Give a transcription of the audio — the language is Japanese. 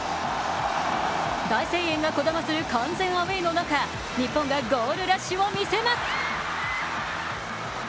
大声援がこだまする完全アウェーの中日本がゴールラッシュをみせます。